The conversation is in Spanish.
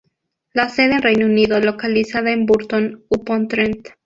La sede en Reino Unido localizada en Burton upon Trent.